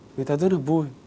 người ta rất là vui